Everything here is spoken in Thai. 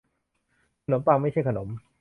ขนมปังไม่ใช่ขนม